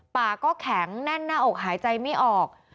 ปากก็แข็งแน่นหน้าอกหายใจไม่ออก